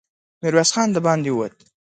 ميرويس خان د باندې ووت.